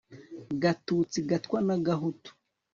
gatutsi, gatwa na gahutu